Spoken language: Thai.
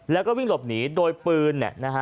แล้วก็วิ่งหลบหนีโดยปืน